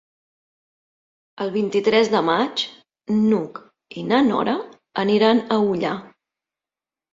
El vint-i-tres de maig n'Hug i na Nora aniran a Ullà.